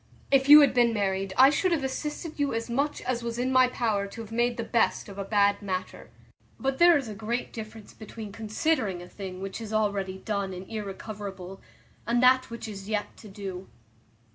If you had been married I should have assisted you as much as was in my power to have made the best of a bad matter; but there is a great difference between considering a thing which is already done and irrecoverable, and that which is yet to do.